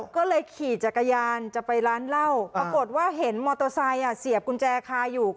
ก็เลยขี่จักรยานจะไปร้านเหล้าปรากฏว่าเห็นมอเตอร์ไซค์เสียบกุญแจคาอยู่